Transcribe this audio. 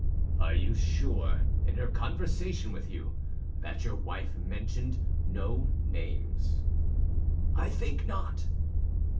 "Are you sure, in her conversation with you, that your wife mentioned no names?" "I think not."